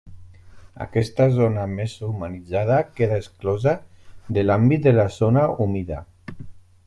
Aquesta zona més humanitzada queda exclosa de l’àmbit de la zona humida.